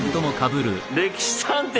「歴史探偵」